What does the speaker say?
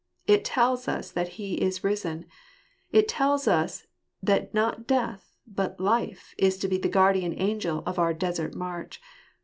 It tells us that He is risen. It tells us that not death, but life, is to be the guardian angel of our desert march.